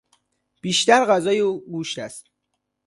بیشتر غذای او گوشت است